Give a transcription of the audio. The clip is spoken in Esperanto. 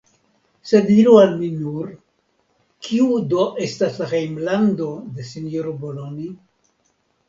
Sed diru al mi nur, kiu do estas la hejmlando de sinjoro Boloni?